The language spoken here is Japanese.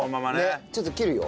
ちょっと切るよ。